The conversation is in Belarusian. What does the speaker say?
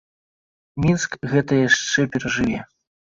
Мінск гэта яшчэ перажыве.